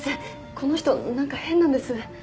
この人なんか変なんです。